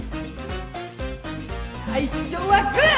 最初はグー！